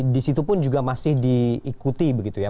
di situ pun juga masih diikuti begitu ya